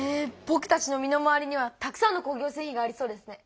ぼくたちの身の回りにはたくさんの工業製品がありそうですね。